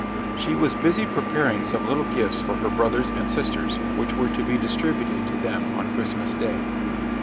She was busy preparing some little gifts for her brothers and sisters, which were to be distributed to them on Christmas Day.